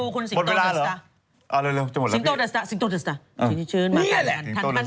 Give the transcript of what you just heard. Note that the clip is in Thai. คือหน้าดีแล้วไม่ได้ดูว่าทำจนกระทั่งพิษ